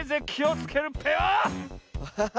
アハハ！